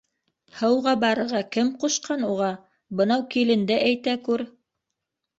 Һыуға барырға кем ҡушҡан уға, бынау киленде әйтә күр!